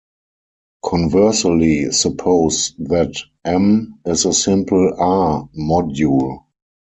Conversely, suppose that "M" is a simple "R"-module.